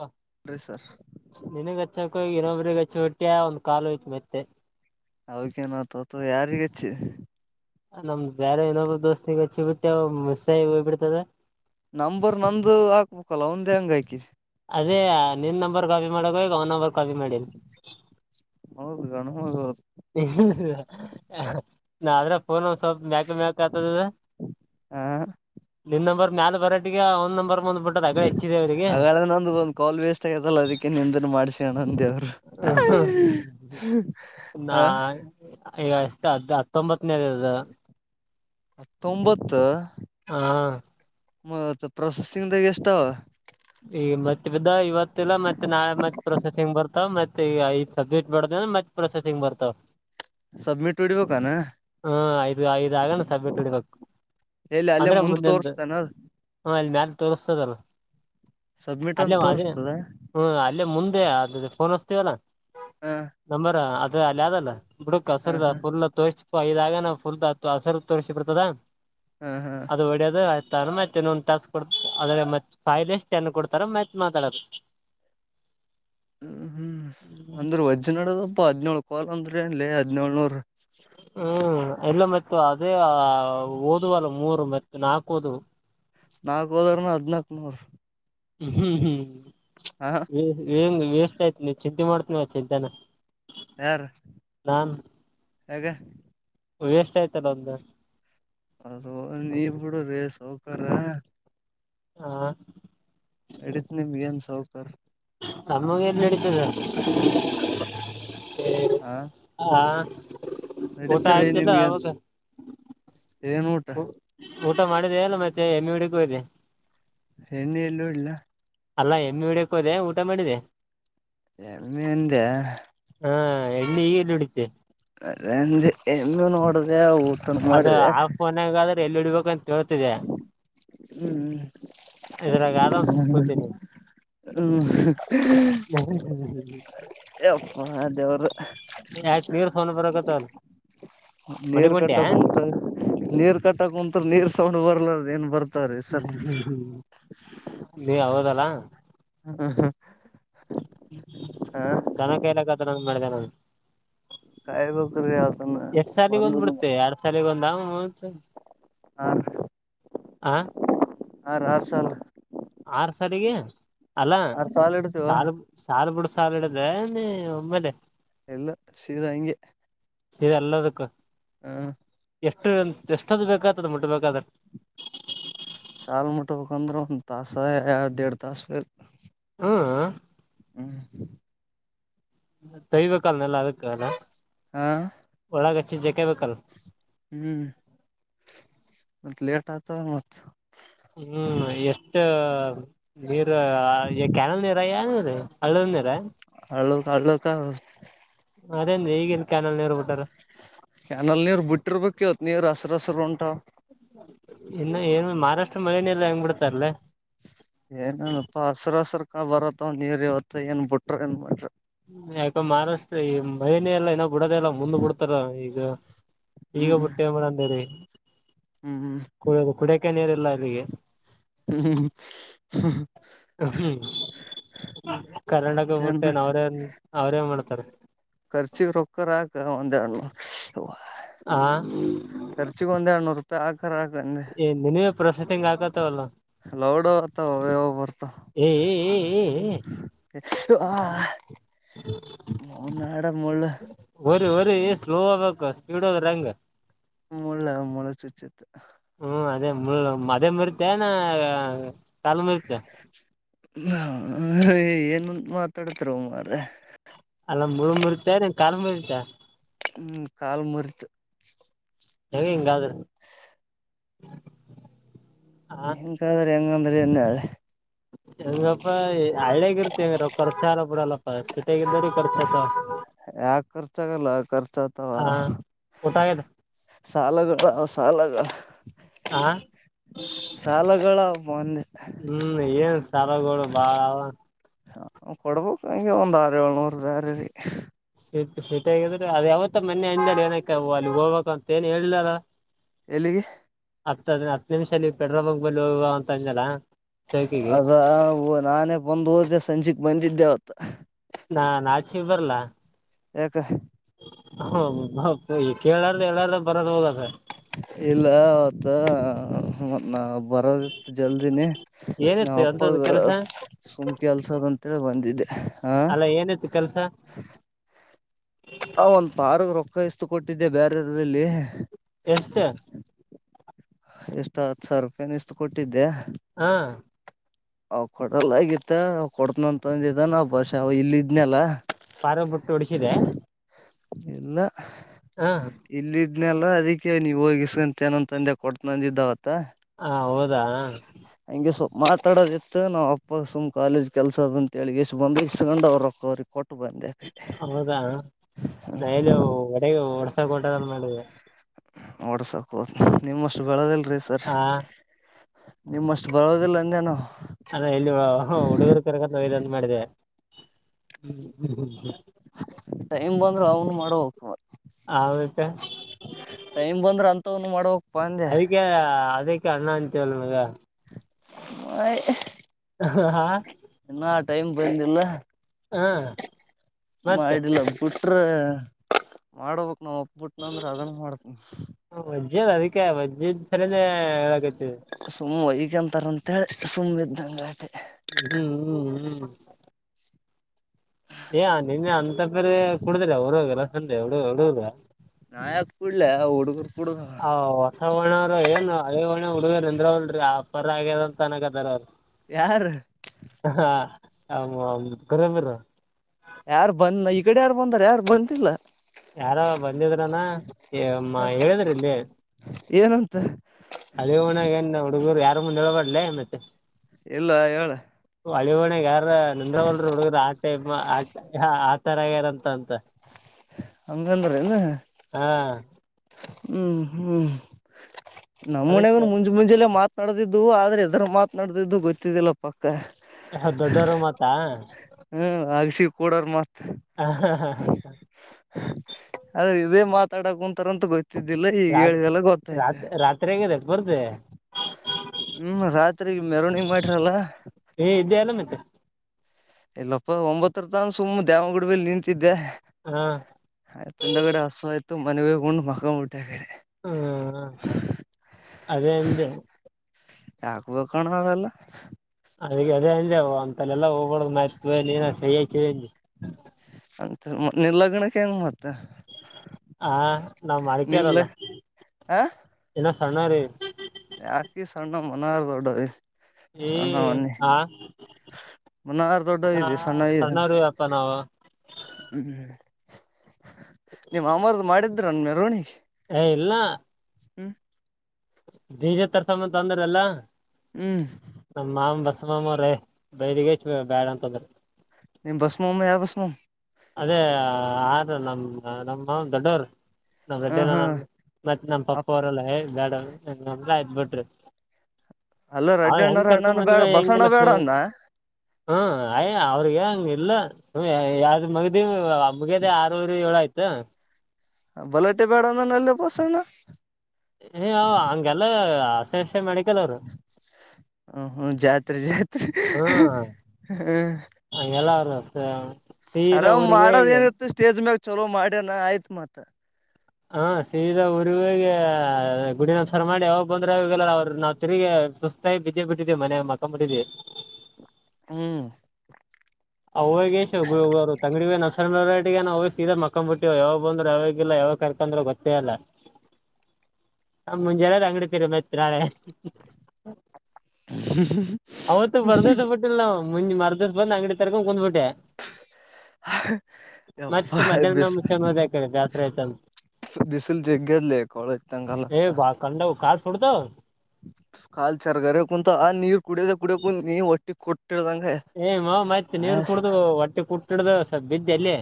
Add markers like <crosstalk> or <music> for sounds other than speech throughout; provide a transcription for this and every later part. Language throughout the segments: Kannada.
ಹಾ ಅೀ ಸರ್ ನಿನಗ್ಚ್ಚಕ ಹೋಗಿ ಇನ್ನೊಬ್ಬ್ರಿಗೆಗಚ್ಚಿ ಹೊಟ್ಟಿ ಒಂದು ಕಾಲುೋಯ್ತ ಮತ್ತೆ ಅವಕನತತ ಯಾರಿಗಚ್ಚಿ ನಮ್ ಬೇರೆ ಇಏನೊಬ್ಬ ದೋಸ್ತಿಗ ಹಚ್ಚಿ ಬಿಟ್ಟೆ ಮಿಸ್ ಹೋಗ್ ಬಿಡ್ತದ ನಂಬರ್ ನಂದು ಹಾಕ್ಬೇಕಲ್ಲ ಒಂದೇ ಹಂಗ ಆಾಕ ಅದೇ ನಿನ್ ನಂಬರ್ ಕಾಪಿ ಮಾಡಕ ಈಗ ಅವ್ ನಂಬರ್ ಕಾಪಿ ಮಾಡಿದ ಹೌದು ಗಣ ಹೌದು ನೆಕ್ಸ್ಟ್ ನಡ್ರ ಹನ್ ಸ್ ಮ್ಯಾಕ ಮ್ಯಾಕ ಆತದ ಹ ನಿನ್್ ನಂಬರ್ ಮ್ಯಾಲ ಬರಾಟಗ ಒಂದ ನಂಬರ್ ಮುಂದ್ ಬಿಟ್ಟ ಹಾಗಳ ನಂದಂದು ಒಂದ್ ಕಾಲ್ ವೇಸ್ಟ್ ಆಗತಲ್ಲ ಅದಕ್ಕೆ ನಿಂತ ಮಾಡ್ಸ ಅಣ ಅ ದೇವ್ರು ನಾ ಹಾ ಈಗ ಎಷ್ಟೇ ಹ ಹತ್ತೊಂಬತ್ತನೇದದು ಹತ್ತೊಂಬತ್ತು ಹಾ ಮತ್ ಪ್ರೊಸೆಸಿಂಗ್್ದಾಗ ಎಷ್ಟ ಈ ಮತ್ತೆ ಇವತ್ತ ಇಲ್ಲ ಮತ್ತೆ ನಾಳೆ ಮತ್ ಪ್ರೊಸೆಸಿಂಗ್ ಬರ್ತಾವ ಮತ್ತೆ ಈಗ ಐದ್ ಸಬ್ಮಿಟ್ ಮಾಡ್ದ ಮತ್ತೆ ಪ್ರೊಸೆಸಿಂಗ್ ಬರ್ತಾವ ಸಬ್ಮಿಟ್ ಹೊಡಿಬೇಕಾನ ಹಾ ಐದು ಐದಾಗಣ ಸಬ್ಯಟ್ ಹೊಡಿಬೇಕು ಎಲ್ಲಿ ಅಲ್ಲೇ ಮುಂದ ತೋರ್ಸ್ತಾನ ಅದು ಹಾ ಅಲ್ಲಿ ಮ್ಯಾಲ ತೋರಿಸ್ತದಲ್ಲ ಸಬ್ಮಿಟ್ ಅಂತ ಅಲ್ಲೇ ಅದೇ ತೋರ್ಸ್ತದ ಹೂ ಅಲ್ಲೇ ಮುಂದೆ ಅದ ಫೋನ್ ಹೊಸ್ತೀವಲ್ಲ ಹಾ ನಂಬರ ಅದ ಅಲ್ಲಿ ಅದಲ್ಲ ಬಿುಡಕ್ ಹ ಹಸರದ ಹ ಫುಲ್ ತೋರಿಸ ಇದಾಗ ನಾವು ಫುಲ್ ಹಸರು ತೋರಿಸಿ ಬಿಿರ್ತದ ಹ ಹ ಅದು ಹೊಡೋದು ತ ಮತ್ ಒಂದು ತಾಸ ಕೊಡ್ ಆದ್ರೆ ಮತ್ತೆ ೈ್ ಚೆನ್ನ ಕೊಡ್ತಾರ ಮತ್ತತ್ ಮಾತಾಡದು ಹೂ ಹೂ ಅಂದ್ರೆ ವಜ್ರ ನಡದಬ್ ಹದ್ಿನೇಳಳ್ ಕೋಲ್ ಅಂದ್ರ ಅನ್ಲ್ಲಿ ಹದ್ಿನೇಳಳ್ನೂರ್ ಹೂ ಎಲ್ಲ ಮತ್ತ ಅದೇ ಓದುವಲ್ಲ ಮೂರು ಮತ್ ನಾಕು ಓದ್ ನಾಕ್ ಹೋದರ್ನ ಹದ್ನಾಕ್ನೂರ್ ಹೂ ಹೂ ಹಾ ಹಾ ವೇಿಸಸ್ತಯತ್ ನೀವು ಚಿಂತೆ ಮಾಡ್ತ ನೀವ ಚಿಂತೆ ಮಾಡಿ ಚಂತನ ಯಾರ ಹೇಗೆ ವೇಸ್ಟ್ ಆಯ್ತಲ್ಲ ಒಂದು ಅದ ನೀವು ಬಿೂಡ್ರೀ ಸೌಕರ್ ಹಾ ನಡತ್ ನಿಮ್ಗೆ ಏನ್ ಸೌಕರ್ ನಮಗೆ ಎಲ್ಲಡ್ತದ ಹಾ ಹಾ ಊಟ ಆಯ್ತಲ್ಲ ನಿಮ್ಗ ಅನ್ಸ ಹೌದು ಏನ್ ಊಟ ಊಟ ಮಾಡಿದೆ ಅಲ್ಲ ಮತ್ತೆ ಹೆನ್ನಿ ಹೂಡಿಕೆ ಹೋದೆ ಹೆಣ್ಣೆ ಎಲ್ಲಿ ಹೂಡಿಲ್ಲಿ ನಾನ್ ಅಲ್ಲಾ ಹೆಣ್ಣೆ ಹೊಡಿಯಕ್ಕೆ ಹೋದೆ ಏನ್ ಊಟ ಮಾಡಿದೆ ಎಲ್ಮಿಂದ ಹಾ ಎಳ್ಳ ಹಗೆಲ್ಲಿ ಹಡಿತೆ ಅದ ಹೆಣ್ಣೇನು ಹೂಡಿದೆ ಊಟ ಅದು ಮಾಡಿದೆ ಆ ಫೋನ್ಾಗ ಆದ್ರೆ ಎಲ್ಲಿ ಇಡ್ಬೇಕಂತೇಳ್ತಿದೆ ಹ್ಮ್ ಇದ್ರಾಗ ಆದ ಒನ್ ಸಮಕೊತೀನಿ ಹ್ಮ್ಪ್ಪ ಅದೇವರು ಯಾಕೆ ನೀರ್ ಸೋೊಂಡ ಬರತ್ತಲ್ಲ ನೀರ್ ಕಟ್ಟಕ್ ಕುಂತ ನೀರ್ ಕಟ್ಟಕ್ ಕುಂತರ ನೀರ್ ಸೌೊಂಡ್ ಬರ್ಲಾರ ಏನ್ ಬರ್ ಹೂ ನೀ ಹೌದಲಾ ಹಾ ಹಾ ದನ ಕಾಯಲಕ್ಕದ ನಂಗ್ ಮಾಡಿದೆ ನಾನು ಕಾಯ್ಬೇಕ್ರಿ ಅದನ್ನ ಎರಡ್ ಸಾಲಿಗೆ ಒಂದ್ಬಿಡ್ತೆ ಎರಡ್ ಸಾಲಿಗೆ ಒಂದ ಹ ಹ ಆ ಆರ್ಸಲು ಆರ್ ಸಾರಿಗೆ ಅಲ್ಲ ಆರ್ ಸಾಲ ಇಡ್ತೀವ ಸಾಲು ಸಾರ್ ಬಿಡ್ ಸಾಾಲ ಇಡದೆ ಒಮ್ಮೇಲೆ ಎಲ್ಲ ಶೀದಾ ಹಿಂಗೆ ಸರಿ ಎಲ್ಲದಕ್ಕ ಹಾ ಎಷ್ಟು ಎಷ್ಟದು ಬೇಕಾಗತದ ಮುಟ್ಟು ಬೇಕಾದೆ ಸಾಲು ಮುಟ್ಟಬೇಕ ಅಂದ್ರೆ ಒಂದು ತಾಸ ಎರ ದರಡು ತಾಸ ಬತ ಹಾ ಹೂ ತೈಬೇಕೇಕಲ್ನೆಲ್ಲ ಅದಕ್ಕ ಅದ ಹಾ ಒಳಗ್ ಹಚ್ಚಿ ಜಾಕೆ ಬೇಕಲ್ಲ ಹೂ ಮತ್ತ ಲೇಟ್ ಆತ ಮತ್ತ ಹೂ ಎಷ್ಟ ಇ ನೀರು ಕ್ಯಾನಲ್ ನೀರ ಯ ನೀ್ರ ಹಳ್ಳದ ನೀರ ಹಳು ಹಳಕ ಅದೇಂದ ಈಗೇನ್ ಕ್ಯಾನಲ್ ನೀರ್ ಬಿಟ್ಟಾರಲ್ಲ ಕ್ಯನಲ್ ನೀರು ಬಿಟ್ಟಿರ್ಬೇಕು ಇವತ್ ನೀರು ಹಸರು ಹಸರು ಉಂಟಾ ಇನ್ನು ಏನು ಮಹಾರಾಷ್ಟ್ರ ಮಳನಲ್ಲ ಹಂಗ್ ಬಿಿಡ್ತಾರಲ್ಲ. ಏನೇನಪಾ ಹಸ್ರ ಹಸರು ಕಳ ಬರತ್ವ ನೀವರ್ ಇವತ್ತು ಏನ್ ಬಿಟ್ರ ಏನ್ ಮಾಡ್ರಿ. ಯಾಕ ಮಾಹರಾಷ್ಟ ಈ ಮಹನಿ ಎಲ್ಲಾ ಇನ್ನೋ ಬಿಡದೆ ಎಲ್ಲ ಮುಂದ ಬಿಡ್ತಾರ ಈಗ. ಈಗ ಹ್ಮ್ ಬಿುಟ್ಟೆ ಮಂದೇರಿ ಹ್ಮ್ ಕುಡಿಯ ಕುಡಕ ನೀರುಲ್ಲ ಅಲ್ಲಿಗೆ. ಹೂ ಹೂ ಮತ್ತೇನ್ ಕರ್ಡಕೋಗಬಟ್ಟೇನ್ ಅವ್ರೇನ್ ಅವ್ರೇನ್ ಮಾಡ್ತಾರೆ. ಕರ್ಚ ರೊಕ್ಕರ ಆಕ ಒಂದಣ್ಣ. ಹ. ಖರ್ಚಗ ಒಂದ್ ಎರಡುನೂರು ರೂಪಾಯಿ ಆಾಕರಕಂದೆ. ಹಾಕತವಲ್ಲ. ಲೌಡ್ ಅತ ಹವವ ಬರ್ತ. ಹೇ ಹೇ ಆ ಮನ್ಾಡ ಮುಳ್ಳು ರಿ ರಿ ಸ್ಲೋ ಆ್ಬೇಕ ಸ್ಪೀಡ್ ಹದ್ರ ಹೆಂಗ್ ಮುಳ್ಳ ಮುಳ್ಳ ಚುಚ್ಚತ್ತು ಹೂ ಅದೇ ಮುಳ್ಳ ಅದೇ ಮರಿತೆ ನ ಕಾಲ ಮರಿತೆ ಹ ಏನು ಮಾತಾಡ್ತಾರ ಉಮ್ಮಾರ ಅಲ್ಲ ಮೂಳ್ ಮುರಿತ ಏನ್ ಕಾಲ್ ಮುರಿತ ಕಾಲು ಮುರ್ತು ಹೇಳಗಂಗ್ದ. ಹೆಂಗ ಕದ್ರ ಹೆಂಗಂದ್ರ ಎನ್ ಅ. ಹೆಂಗಪ್ಪಾ ಹಳ್ಳಿಯಗ ಇರ್ತಿ ಹೆಂಗಾರ ಖರ್ಚು ಅಲ್ಲ ಬಿಡಲ್ಲಪ್ಪ ಸಿಟಿಾಗ ಇದರಿ ಖರ್ಚ ಆತ. ಯಾಕ ಖರ್ಚ ಆಾಗಲ್ಲ ಖರ್ಚ ಆತಾವ. ಹ ಊಟ ಆಗ್ಯದ ಸಾಲ ಗಡ ಸಾಲಾಗ. ಆ. ಸಾಲಗಳ ಬಂದಿದೆ. ಹೂ ಏನ್ ಸಾರೋಗಳು ಬಾಳ ಅವ. ಹ ಕೊಡ್ಬೇಕು ಹಂಗೆ ಒಂದ್ ಆರು ಏಳ್ನೂರು ಬೇರೆ ರೀ. ಸಿಟ್ಟ ಸಿಟ್ಟ ಆಗಿದ್ರೆ ಅದ ಯಾವತ್ತ ಮೊ ಅಣ ಏನಕ ಅಲ್ಲಿಗ್ ಹೋಗ್ಬೇಕು ಅಂತ ಏನ್ ಹೇಳಲಾರ. ಎಲ್ಲಿಗೆ. ಹತ್ತದ್ ಹತ್ ನಿಮಿಷಲ್ಲಿ ಪೆಡ್ರೋ ಹೋಗ ಬ ಹೋಗುವ ಅಂತ ಅಂಜಲ. ಅದ ನಾನೇ ಬಂದು ಊದ ಸಂಜೆಕ್ ಬಂದಿದ್ದೆವತ್. ನಾನ್ ನಚಿಗ್ ಬರಲ್ಲಾ ಯಾಕ <unintelligible> ಕೇಳಾರ್ದ ಎಲ್ಲಾರ್ದ ಬರದು ಹೋಗದು ಇಲ್ಲ ಅವತ್ತು ನಾ ಬರೋದಿತ್ತು ಜಲ್ದಿನೇ ನಾ ಏನಿತ್ತು ಅಂತದ್ದು ಅಪ್ಪಾಗ ಕೆಲ್ಸ ಸುಂಮ್ ಕೆಲ್ಸದ ಅಂತೇಳ ಬಂದಿದ್ದೆ ಏನಾಯತ್ತು ಕೆಲ್ಸ ಆ ಒಂದು ಪಾರ್ ರೊಕ್ಕ ಇಷ್ಟು ಕೊಟ್ಟಿದ್ದೆ ಬೇರೆರ್ಲ್ಲಿ ಎಷ್ಟ ಎಷ್ಟು ಹತ್ತು ಸಾವಿರ ರೂಪಾಯ ಇಷ್ಟು ಕೊಟ್ಟಿದ್ದೆ ಹಾ ಅವ ಕೊಡಲ್ಲ ಆಗತ್ತ ಕೊಡ್ತನಂತಂದಿದ ಬಾಷೆ ಅವ ಇಲ್ಲ ಇದ್ನಲ್ಲ ಪಾರ ಬಿುಟ್ಟು ಉಡಿಸಿದೆ ಇಲ್ಲ ಹಾ ಇಲ್ಲ ಇದ್ನಲ್ಲ ಅದಕ್ಕೆ ನೀವು ಹೋಗಿಸಸ್ಕಂತ ಏನಂತ ತಂದೆ ಕೊತನಂದಿದ್ದಾವತ್ತ ಹ ಹೌದಾ ಹಂಗೆ ಸ್ವಲ್ಪ ಮಾತಾಡೋದಿತ್ತು ನಾಮ್ ಅಪ್ಪ ಸುಮ್ ಕಾಲೇಜ್ ಕೆಲಸ ಅದ ಅಂತಗ ಬಂದ ಇಸ್ಕೊಂಡ್ ಅವ್ರು ಕೋರಿ ಕೊಟ್ಟು ಬಂದೆ ಹೌದಾ ಹ ಅ ಒರ್ಡ್ಸ ಟದ ಮಾಡ ಓಡ್ಸಕ ಹದ ನಿಮಷ್ಟು ಬೆಳದಿಲ್ರಿ ಸರ್ ಹ ನಿಮ್ಷ್ಟು ಬೆಳೆದಿಲ್ಲ ಅಂದೇನು ಅಲ್ಲ ಎಲ್ಲಿ ಹುಡುಗರು ಕರ್ಕಂತ ಒಂದು ಮಾಡಿದೆ ಹೂ ಟೈಮ್ ಬಂದ್ರರು ಅವ್ನು ಮಾಡಬೇಕು ಆಯ್ತು ಟೈಮ್ ಬಂದ್ರ ಅಂತ್ ಮಾಡ್ಬೇಕ್ ಅದಕ್ಕೆ ಅದಕ್ಕೆ ಅಣ್ಣ ಅಂತಲ್ಲ ಬೈಯ ಮೊಯ್ ಹ ಹಾ ಇನ್ನ ಟೈಮ್ ಬಂದಿಲ್ಲ <unintelligible> ಮತ್ತೆ ಮಾಡಿಲ್ಲ ಬಿಟ್ರ ಮಾಡಬೇಕು ನಾವ ಒಪ್ಪಬಿಟ್ನ ಅಂದ್ರ ಅದನ್ನು ಮಾಡ್ನಿ ಹ ಮಜ್ಜ ಅಲ್ಲ ಅದಕ್ಕೆ ಮಜ್ಜ ಸರಿನೇ ಹೇಳಕತವಿ ಸುಮ್ಮ್ ಈಗಂತಾರ ಅಂತೇಳಿ ಸುಮ್ಮ್ ಇದಂಗಟೆ ಹೂ ಹೂ ಹೂ ಏ ನಿನ್ನೆ ಅಂತಫರಿ ಕುಡುದ್ರ ಅವರು ಲಸಂದೆ ಹಡುಗರು ನಾ ಯಾಕ್ ಕುಡ್ಲ ಹುಡುಗರು ಕುೂಡುದ ಹ್ ಹೊಸ ಹೊಣವರು ಏನು ಅಳ ಹಣ ಹುಡುಗ ಅಂದ್ರವಲ್ರರಿ ಆ ಪರ ಆಗ್ಯಾರ ಅಂತ ಅನಗದಾರ ಅವರು ಯಾರು ಹಾ ಹ ಕುರುಬರು ಯಾರು ಬಂದಲ ಈ ಕಡೆ ಯಾರು ಬಂದಾರ ಯಾರು ಬಂದಿಲ್ಲ ಯಾರ ಬಂದಿದ್ರಾನ ಹೇಳಿದ್ರ ಇಲ್ಲಿ ಏನು ಅಲ್ಲಿ ಒಣಾಗ ನಾನ್ ಹುಡುಗರು ಯಾರು ಮುಂದೆಬಡ್ಲ ಮತ್ತೆ ಇಲ್ಲ ಹೇಳು ಹಳಿವಣಗ ಯಾರ ನಂದ್ರವಲ್ರು ಹುಡುಗರ್ ಆಟೈ ಆ ಆ ತರ್ಯಾರಂತ ಅಂತ ಹಂಗಂದ್ರನು ಹಾ ಹೂ ಹೂ ನಮ್ಮ ಮನೆಗ ಅದಕ್ಕೆ ಮುಂಜು ಮುಂಜಲ್ಲ ಮಾತ್ರ ನಡ್ದಿದ್ದು ಆದ್ರೆ ಎದರ ಮಾತನಾಡದಿದ್ದು ಗೊತ್ತಿದ್ದಿಲ್ಲ ಪಕ್ಕ ದೊಡ್ಡವರು ಮಾತಾ ಹೂ ಅಗಶಿ ಕೂಡರ್ ಮತ್ತ ಹಾ ಹಾ ಹಾ ಹಾ ಹಾ ಆದ್ರೆ ಇದೇ ಮಾತಾಡಕ ಕುಂತಾರ ಅಂತ ಗೊ್ ಗತಿದ್ದಿಲ್ಲ ಈಗ ರಾತ್ ಹೇಳಿದೆಲ್ಲ ಗೊತ್ತೈ್ತೆ ರಾತ್ ರಾತ್ರಿ ಆಗಿದೆ ಬರ್ತೇ ಹೂ ರಾತ್ರಿ ಮೆರವಣಿಗೆ ಮಾಡಟ್ರಲ್ಲ ಏ ಇದೇ ಎಲ್ಲ ಮಂತೆೆ ಇಲ್ಲಪ್ಪ ಒಂಬತ್ತರ ತಾನ ಸುಮ್ಮ್ನೆ ದೇವಂಗುಡ ಬೆಲ್ಲಿ ನಿಂತಿದ್ದೆ ಹಾ ಆಯ್ತುಂದಗಡೆ ಹಸು ಆಯ್ತು ಮನವಿೇಗುೊಂಡ್ ಮಕ್ಕ್ ಮುಟ್ಟೆಬೇಡಿ ಹೂ ಅವೇ ಅಂದೇ ಯಾಕಬೇಕ ಕಣ್ಣ ಅವೆಲ್ಲ ಅದ ಅದೇ ಅಂದ್ರೆ ಅಂತಲ್ಲಾ ಹೋಗ್ಬಡ್ ಮಏನ ಸಹ ಹ್ಿದೆ ಅಏಿ ಅಂತ ನಿರ್ಲಗ್ನಕ್ಕೆ ಹೆಂಗ ಮತ್ತ ಹ ನಾವ್ ನಿನ್ ಲ ಮಾಡಿಕ್ಯಾರಲ್ಲ ಆ ಇನ್ನ ಸಣ್ಣೊ ರೀ ಯಾಕಿ ಸಣ್ಣ ಮನೋರ್ ದೊಡ್ಡೊರ್ ಏ ಹ ಮ ನಾರ್ ದೊಡ್ಡ ಇದ ಸಣ್ಣ್ ಸಣ್ಣವ್ರಿ ಅಪ್ಪ ನಾವು ಹ್ಮ್ ನಿಮ್ಮ ಅಮ್ಮರದ ಮಾಡಿದ್ರೆನ್ ಮೆರೋಣಿಗೆ. ಏ ಇಲ್ಲ ಬೇಜ ತರ್ಸಮ್ಮ ತೊಂದ್ರ ಅಲ್ಲ. ಹ್ಮ್ ನಮ್ಮ್ ಮಾಮ ಬಸ ಮಾಮವ್ರೇ ಬೈದಗ ಎಷ್ಟ ಬ್ಯಾಡ ಅಂತದ್ರ. ನಿಮ್ ಬಸ್ಮೋ ಮ ಯಾವ ಬಸ್ಮೋ ಅದೇ ಆರ ನಮ್ಮ ನಮ್ಮ ದೊಡ್ಡರು ನಮ್ಮ್ ಹಾ ಹಾ ದೊಡ್ಡನ ಮತ್ತ್ ನಮ್ಮ ಪಪ್ಪ ಅವ್ರಲ್ಲಾ ಯೇ ಬೇಡಂದ್ರ ಆಯ್ ಬಿಟ್ರೂ ಅಲ್ಲೋ ಹ ರಡ್ಡಿ ಹೆಂಗ ಅಣ್ಣಾರ ಕರ್ಕೊ ಅಣ್ಣಾನು ಬಂದಿವ ಬೇಡ ಬಸಣ್ಣ ಹೆಂಗಸಲ್ಲ ಸ ಬೇಡ ಅಂದ್ನಾ ಹ್ಮ್ ಅಯ ಅವ್ರಿಗೆ ಅಂಗಿಲ್ಲ ಸು ಯಾವ್ದ ಮಗಿ <unintelligible> ಮುಗಿಯೊದೆ ಆರುವರೆ ಏಳು ಆಯ್ತು. ಬಲಹಟಿ ಬೇಡ ಅಂದೆಲ್ಲ ಬಸಣ್ಣ ಏ ಹಂಗೆಲ್ಲ ಆಸೆ ಹಸೆ ಮಾಡಿಕಲ್ ಅವ್ರು ಹ್ಮ್ ಹ್ಮ್ ಜಾತ್ರೆ ಜಾತ್ರೆ ಹಾ ಹ ಹಂಗೆಲ್ಲ ಅವರು ಸ್ ಅರಾಮ್ ಮಾಡೋದು ಏನಿತ್ತು ಸ್ಟೇಜ್ ಮ್ಯಾಗ ಚಲೋ ಮಾಡ್ಯನ ಆಯ್ತ್ ಮತ್ತೆ ಹ ಸೀದ ಊರುಗೆ ಹೋಗಿ ಗುಡಿ ನಮಸ್ಕಾರ್ ಮಾಡಿ ಯಾವಾಗ ಬಂದ್ರ ಅವಿಗೆಲ್ಲಾರ ಅವ್ರರು ನಾವ್ ತಿರುಗ ಸುಸ್ತ್ ಸ್ತಾಗಿ ಬಿದ್ದೆ ಬಿಟ್ಟಿದ್ವಿ ಮನೆಯಲ್ಲಿ ಮಕ್ಕಂಬಟ್ಟಿದ್ವಿ ಹ್ಮ್ ಅವಾಗೇಶರು ತಂಗಡಿ ನ ಅವ ಸೀದ ಮಕ್ಕೊಂಡ್ ಬಿಟ್ಟವಿ ಯಾವಾಗ ಬಂದ್ರ ಯಾವಾಗಲ್ಲ ಯಾವಾಗ ಕರ್ ಯಂದ್ರೆ ಗೊತ್ತೇ ಇಲ್ಲ ನ ಮುಂಜಾನೆದು ಅಂಗಡಿತೀರಿ ಮತ್ ನಾಳೆ ಅವತ್ತು ಬರ್ದಸ ಬಿಟ್ಟಿಲ್ಲ ನಾವು ಮುಜ್ ಮರ್ದಸ ಬಂದ್ ಅಂಗಡಿ ತರಕ ಕುಂದು ಬಿಟ್ಟೆ. ಯಪ್ಪ ಮತ್ತ್ ಮಧ್ಯಾಹ್ನ ಬಿಸ್ ಮುಂಚೆ ಹೋದೆ ಆ ಕಡೆ ಬ್ಯಾಸರ ಆಯ್ತಂತ ಬಿಸಿಲು ಜಗ್ಗದ್ದ್ ಲ್ಲೆ ಕೊವಿತಂಗಲ್ಲ. ಏ ಬಾ ಕಂಡವು ಕಾಲ್ ಸೂಡ್ತಾವು ಕಾಲ್ ಚರ್ಗಾರ ಕುಂತ ಆ ನೀರ್ ಕುಡಿಯದ ಕುಡಿಯೋಕ ಕು ನೀರ್ ಒಟ್ಟಿ ಕೊಟ್ಟಿ ಇಡ್ದಾಂಗೆ. ಏಯ್ ಮಾವ್ ಮತ್ ನೀರ್ ಕುಡ್ದು ಒಟ್ಟಿ ಕುಟ್ಟಿಡ್ದು ಸತ್ ಬಿದ್ದು ಎಲ್ಲಿ.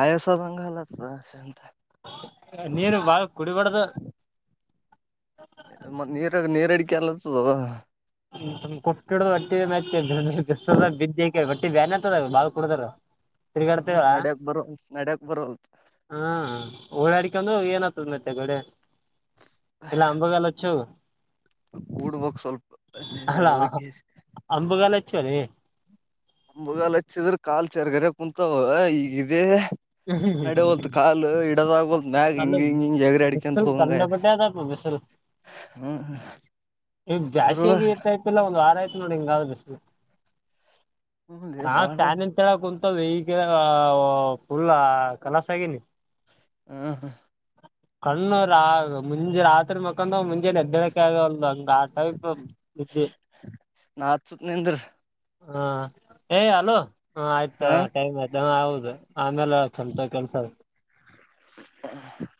ಆಯಸ ಬಘಲ್ಲ ಶಂತ. ನೀರು ಬಾಳ ಕುಡಿಬಾರದು ಮತ್ ನೀರಾಗ ನೀರ ಅಡಿಕೆ ಎಲ್ಲತ್ತದ. ಕೊಟ್ಟಿಡ ಒಟ್ಟಿ ಮ ಬಿಸ ಬಿದ್ದ ಒಟ್ಟಿ ಬ್ಯಾನ್ತದ ಬಾಳ ಕುಡದಾರ‌. ಹ್ಮ್ ನಡ್ಯಕ್ ಬರವ್ ನಡ್ಯಕ್ ಬರ್ಲದ್ ಹಾ ಓಡಾಡ್ಕೊಂಡು ಏನತ್ತದ್ ಮತ್ತಗಡೆ. ಇಲ್ಲ ಅಂಬಗಲಚ್ಚು. ಕೂಡ್ಬಕ್ ಸ್ವಲ್ಪ್ ಅಲ್ಲಾ ಅಂಬುಗಾಲು ಹಚ್ಚಲೇ ಅಂಬಗಾಲ್ ಹಚ್ಚಿದ್ರೆ ಕಾಲ್ ಚರ್ಗರೆ ಕುೂಂತಾವ ಈಗೇ ನಡವತ್ ಕಾಲು ಇಡದಾಗ ಹೊಲ್ ಮ್ಯಾಗ ಅಲ್ಲ ಹಿಂಗ ಹಿಂಗ ಹಿಂಗಗೆ ಎಗ್ರ ಅಡಿಕೆ ಅಂತ ಬಿಸಲ್ ಹೋಗಂಗಯತೆ. ಕಂಡಾಪಟ್ಟೆ ಅದಪ್ಪ ಬಿಸಲ್ ಹ್ಮ್ ಹ್ಮ ಈಗ ಅದ್ರೊಳ ಜಾಸ್ತಿಯಾಗಿ ಇತ್ತಾಯ್ತಿಲ್ಲ ಒಂದ್ ವಾರ ಆಯ್ತ ನೋಡ್ ಹಿಂಗಾಗಸಿ. ಹಾ ಬಾಳ ತಾನಿಂತಾವೆ ಕುಂತವೇ ಈಗ ಫುಲ್ಲ ಕಲಾಸ್ ಆಗೀನಿ ಆ ಹ ಕಣ್ಣು ರಾಗ ಮುಂಜೆ ರಾತ್ರಿ ಮಕ್ಕಂದಾವ್ ಮುಂಜೆಲ್ ಏದ್ದೇಳಕೆ ಆಗಲ್ ಅಂಗಾ <unintelligible> ನಿದ್ದೆ ನಾ ಹಚ್ಚತ್ ನಿಂದ್ರ ಹಾ ಏಯ ಹಲೋ ಹ ಆಯ್ತು ಟೈಮ್ ಆಯ್ ದ ಹೌದು ಆಮೇಲೆ ಸ್ವಂತ ಕೆಲ್ಸ. ಅಹ್